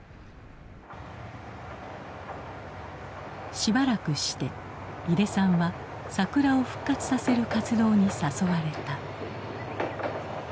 しばらくして井手さんは桜を復活させる活動に誘われた。